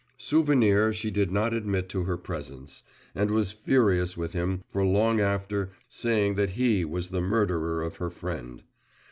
Souvenir she did not admit to her presence, and was furious with him for long after, saying that he was the murderer of her friend.